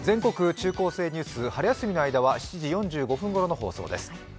中高生ニュース」、春休みの間は７時４５分ごろの放送です。